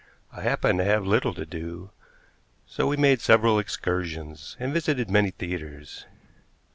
I happened to have little to do, so we made several excursions and visited many theaters.